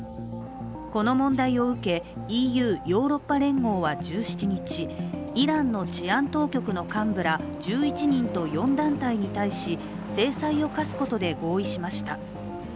この問題を受け、ＥＵ＝ヨーロッパ連合は１７日イランの治安当局の幹部ら１１人と４団体に対し制裁を科すことで合意しました。